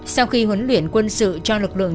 sau khi huấn luyện quân sự cho lực lượng